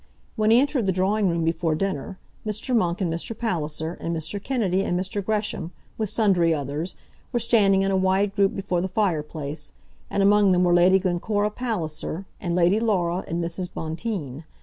When he entered the drawing room before dinner, Mr. Monk and Mr. Palliser, and Mr. Kennedy and Mr. Gresham, with sundry others, were standing in a wide group before the fireplace, and among them were Lady Glencora Palliser and Lady Laura and Mrs. Bonteen.